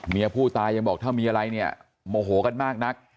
เมียผู้ตายยังบอกถ้ามีอะไรเนี่ยโมโหกันมากนัก